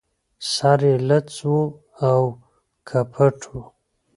سر يې لڅ و او که پټ و